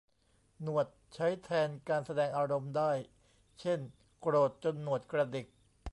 หนวดใช้แทนการแสดงอารมณ์ได้ เช่น โกรธจนหนวดกระดิก